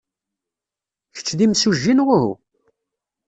Kečč d imsujji neɣ uhu?